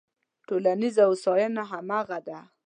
ټولنیزه هوساینه همغه ده.